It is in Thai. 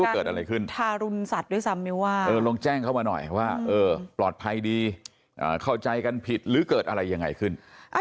เข้ามาหน่อยว่าปลอดภัยดีเข้าใจกันผิดหรือเกิดอะไรยังไงขึ้น